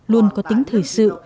luôn có tính thời sự